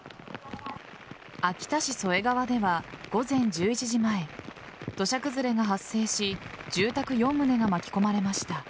秋田市添川では午前１１時前土砂崩れが発生し住宅４棟が巻き込まれました。